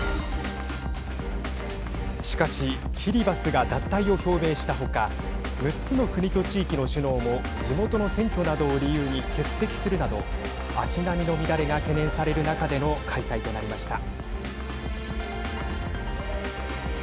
しかしキリバスが脱退を表明したほか６つの国と地域の首脳も地元の選挙などを理由に欠席するなど足並みの乱れが懸念される中での開催となりました。